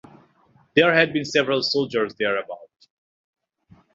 There had been several soldiers thereabout.